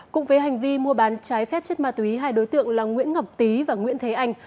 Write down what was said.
cũng với hành vi mua bán trái phép chất ma túy hai đối tượng là nguyễn ngọc tý và nguyễn thế anh